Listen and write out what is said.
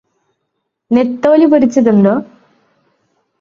നെത്തോലി പൊരിച്ചതുണ്ടോ?